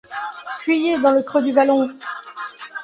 Fuyez dans le creux du vallon !